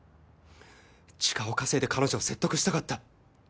時間を稼いで彼女を説得したかった。